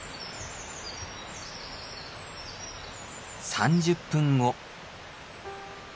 ３０分後。